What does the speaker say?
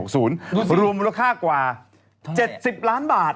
ครูบรมราคากว่า๗๐ล้านบาท